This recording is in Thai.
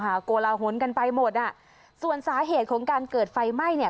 เนี่ยคุณผู้ชมค่ะกละหนกันไปหมดอ่ะส่วนสาเหตุของการเกิดไฟไหม้เนี่ย